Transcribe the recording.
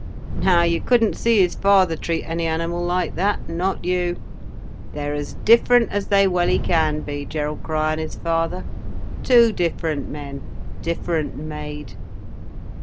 Now you couldn't see his father treat any animal like that—not you. They're as different as they welly can be, Gerald Crich and his father—two different men, different made."